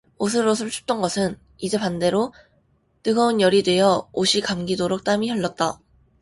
오슬오슬 춥던 것은 이젠 반대로 뜨거운 열이 되어 옷이 감기도록 땀이 흘렀다.